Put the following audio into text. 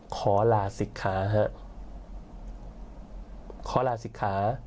ขอลาศิกขาฮะขอลาศิกขา